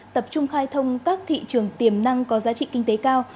tập trung khai thông các thị trường tiềm năng có giá trị kinh tế cao